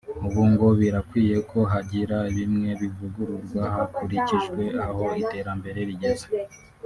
ubu ngo birakwiye ko hagira bimwe bivugururwa hakurikijwe aho iterambere rigeze